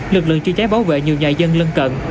lực lượng chữa cháy bảo vệ nhiều nhà dân lân cận